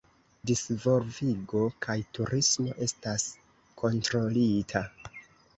Disvolvigo kaj turismo estas kontrolita.